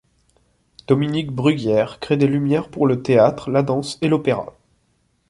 Dominique Bruguière crée des lumières pour le théâtre, la danse et l'opéra.